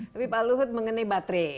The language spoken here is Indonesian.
tapi pak luhut mengenai baterai